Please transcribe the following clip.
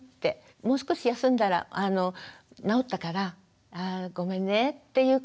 もう少し休んだらなおったからごめんねっていうことをね